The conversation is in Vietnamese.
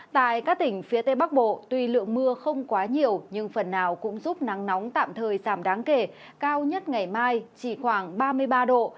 tại các tỉnh phía tây bắc bộ tuy lượng mưa không quá nhiều nhưng phần nào cũng giúp nắng nóng tạm thời giảm đáng kể cao nhất ngày mai chỉ khoảng ba mươi ba độ